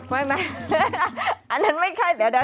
ไม่อันนั้นไม่ใช่เดี๋ยวนะ